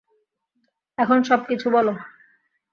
এখন সবকিছু বলো।